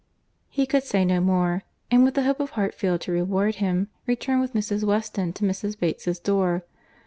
He could say no more; and with the hope of Hartfield to reward him, returned with Mrs. Weston to Mrs. Bates's door.